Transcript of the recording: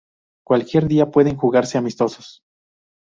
Cualquier día pueden jugarse amistosos.